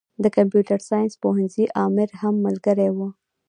د کمپيوټر ساينس پوهنځي امر هم ملګری و.